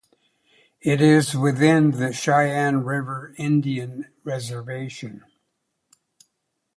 It is within the Cheyenne River Indian Reservation.